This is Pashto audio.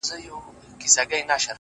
ارمانه اوس درنه ښكلا وړي څوك؛